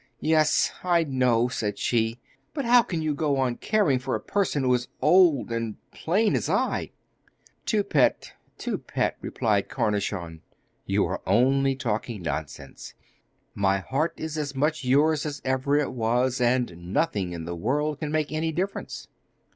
'Yes, I know,' said she, 'but how can you go on caring for a person who is as old and plain as I?' 'Toupette, Toupette,' replied Cornichon, 'you are only talking nonsense. My heart is as much yours as ever it was, and nothing in the world can make any difference.